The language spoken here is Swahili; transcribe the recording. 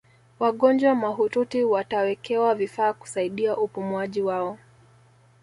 wagonjwa mahututi watawekewa vifaa kusaidia upumuaji wao